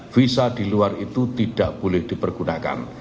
visa di luar itu tidak boleh dipergunakan